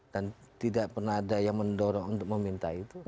dan tidak pernah ada yang mendorong untuk meminta itu